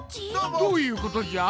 どういうことじゃ？